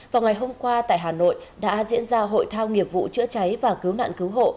vào ngày hôm qua tại hà nội đã diễn ra hội thao nghiệp vụ chữa cháy và cứu nạn cứu hộ